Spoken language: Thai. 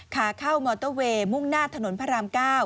ขาเข้ามอเตอร์เวย์มุ่งหน้าถนนพระราม๙